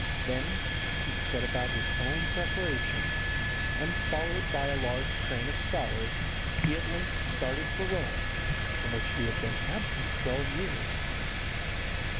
Then he set about his own preparations, and, followed by a large train of scholars, he at length started for Rome, from which he had been absent twelve years.